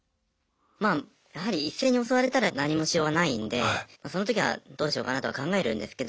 まあやはり一斉に襲われたら何もしようがないんでそのときはどうしようかなとは考えるんですけど。